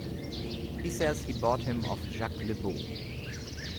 He says he bought him of Jacques Le Beau.